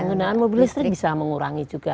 penggunaan mobil listrik bisa mengurangi juga